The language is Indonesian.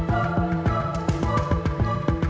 kalo memang bener dia din